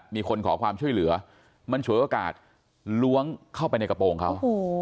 มีคนขอความช่วยเหลือมันฉวยโอกาสล้วงเข้าไปในกระโปรงเขา